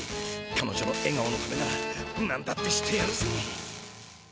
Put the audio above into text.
彼女のえがおのためなら何だってしてやるぜ！